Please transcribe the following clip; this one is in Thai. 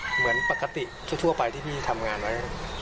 เหมือนปกติทั่วไปที่พี่ทำงานไว้